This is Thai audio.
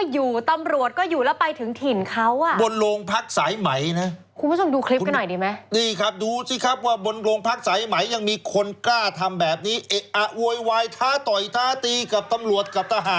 ยังกล้าทำขนาดนี้นะครับ